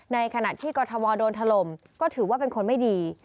ในขณะที่กรทมโดนถล่มก็ถือว่าเป็นคนไม่ดี